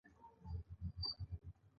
ایا زما ژبه به ښه شي؟